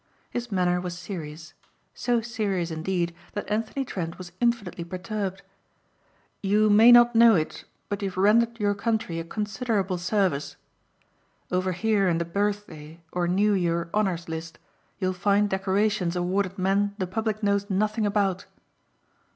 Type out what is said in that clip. His manner was serious, so serious indeed that Anthony Trent was infinitely perturbed. "You may not know it but you've rendered your country a considerable service. Over here in the Birthday or New Year honours list you'll find decorations awarded men the public knows nothing about.